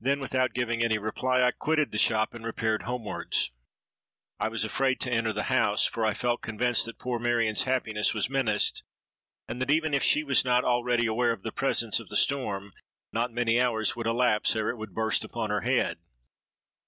Then, without giving any reply, I quitted the shop, and repaired homewards. "I was afraid to enter the house; for I felt convinced that poor Marion's happiness was menaced, and that even if she was not already aware of the presence of the storm, not many hours would elapse ere it would burst upon her head.